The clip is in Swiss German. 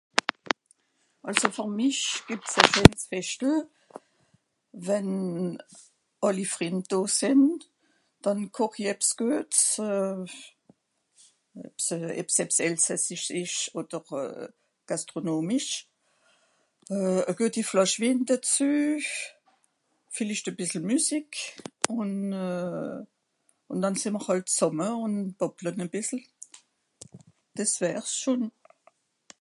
àlso fer mich gebs à ....wenn àlli frìnd do sìnd dànn koch'i ebs geuts ebs ebs elsassisch esch oder gastronomisch euh à gueti flàsh win dazü villicht à bìssel musique ùn euh ùn dànn sé mr àls zàmme ùn bàbble à bìssel des wärs schòn